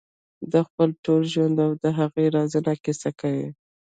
د خپل ټول ژوند او د هغه رازونو کیسې کوي.